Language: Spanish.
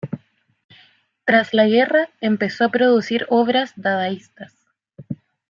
Tras la guerra, empezó a producir obras dadaístas.